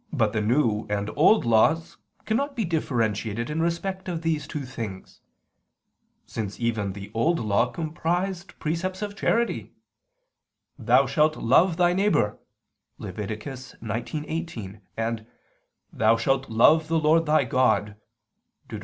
But the New and Old Laws cannot be differentiated in respect of these two things: since even the Old Law comprised precepts of charity: "Thou shalt love thy neighbor" (Lev. 19:18), and: "Thou shalt love the Lord thy God" (Deut.